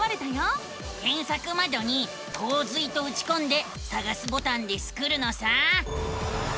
けんさくまどに「こう水」とうちこんでさがすボタンでスクるのさ。